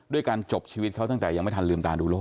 การจบชีวิตเขาตั้งแต่ยังไม่ทันลืมตาดูโลก